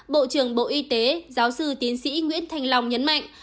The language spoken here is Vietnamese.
bộ trưởng bộ y tế giáo sư tiến sĩ nguyễn thành lòng nhấn mạnh